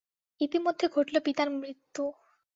ইতিমধ্যে ঘটল পিতার মৃত্যু।